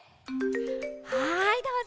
はいどうぞ。